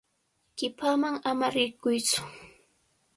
Qipaman ama rirquytsu.